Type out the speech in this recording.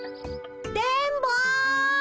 電ボ！